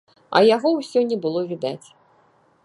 А яго ўсё не было відаць.